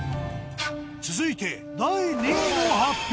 続いて第２位の発表。